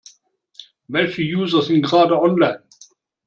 Welche User sind gerade online?